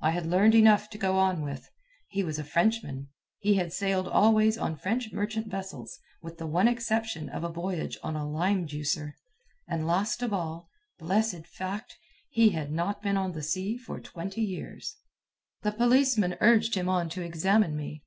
I had learned enough to go on with. He was a Frenchman. He had sailed always on French merchant vessels, with the one exception of a voyage on a "lime juicer." And last of all blessed fact! he had not been on the sea for twenty years. The policeman urged him on to examine me.